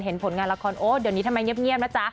ผลงานละครโอ้เดี๋ยวนี้ทำไมเงียบนะจ๊ะ